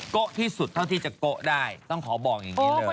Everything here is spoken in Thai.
โกะที่สุดเท่าที่จะโกะได้ต้องขอบอกอย่างนี้เลย